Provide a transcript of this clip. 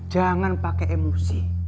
jangan pakai emosi